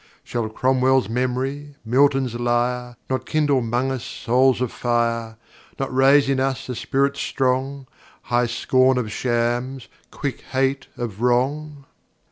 Shall Cromwell's memory, Milton's lyre, Not kindle 'mong us souls of fire, Not raise in us a spirit strong—High scorn of shams, quick hate of wrong?